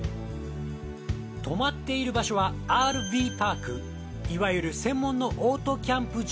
止まっている場所はＲＶパークいわゆる専門のオートキャンプ場。